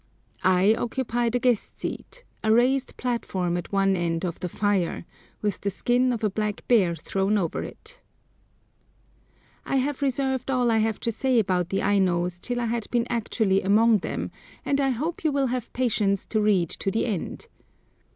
I occupy the guest seat—a raised platform at one end of the fire, with the skin of a black bear thrown over it. [Picture: Ainos at Home. (From a Japanese Sketch)] I have reserved all I have to say about the Ainos till I had been actually among them, and I hope you will have patience to read to the end.